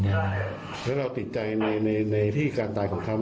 แล้วเนี่ยเราติดใจในที่กันตายของเขามะ